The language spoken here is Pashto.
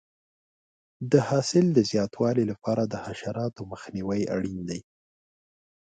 د حاصل د زیاتوالي لپاره د حشراتو مخنیوی اړین دی.